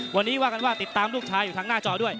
วันนี้ว่ากันว่าติดตามลูกชายอยู่ทางหน้าจอด้วย